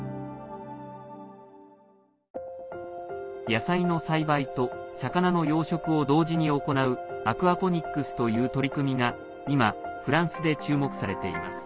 野菜の栽培と魚の養殖を同時に行うアクアポニックスという取り組みが今、フランスで注目されています。